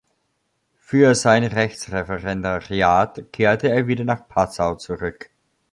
Für sein Rechtsreferendariat kehrte er wieder nach Passau zurück.